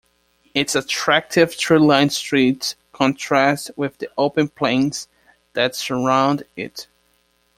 Its attractive tree-lined streets contrast with the open plains that surround it.